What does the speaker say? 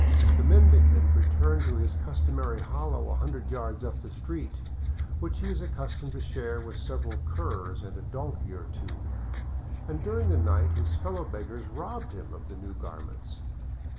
The mendicant returned to his customary hollow a hundred yards up the street, which he was accustomed to share with several curs and a donkey or two, and during the night his fellow beggars robbed him of the new garments.